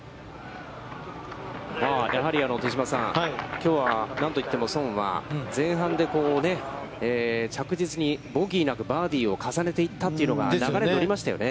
やはり手嶋さん、きょうは何といっても宋は前半で着実にボギーなくバーディーを重ねていったというのが、流れに乗りましたよね。